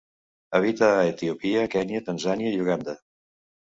Habita a Etiòpia, Kenya, Tanzània i Uganda.